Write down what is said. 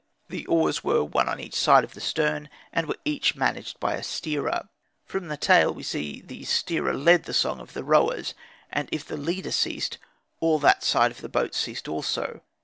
The oars were one on each side of the stern, and were each managed by a steerer. From the tale we see that the steerer led the song of the rowers, and if the leader ceased, all that side of the boat ceased also..